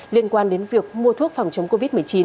liên quan đến việc mua thuốc phòng chống covid một mươi chín